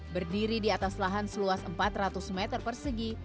berdiri di atas lahan seluas empat ratus meter persegi